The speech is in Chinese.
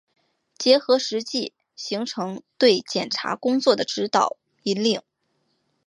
结合实际形成对检察工作的指导、引领